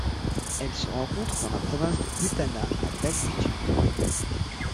Elle se rencontre dans la province de Rutana à d'altitude.